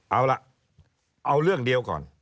เอาล่ะเอาเรื่องเดียวก่อน